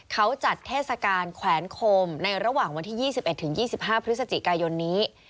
เขาจัดเทศกาลแขวนโคมในระหว่างวันที่๒๑๒๕พฤศจิกายนนี้